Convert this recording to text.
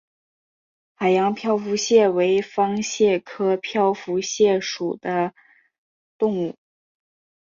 海洋漂浮蟹为方蟹科漂浮蟹属的动物。